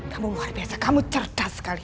kamu luar biasa kamu cerdas sekali